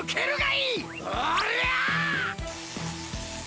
おりゃ！